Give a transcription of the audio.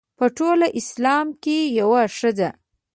په ټول اسلام کې یوه ښځه.